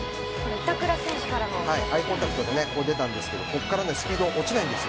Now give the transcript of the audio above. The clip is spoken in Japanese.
板倉選手からアイコンタクト飛んでたんですがスピードが落ちないんですよ。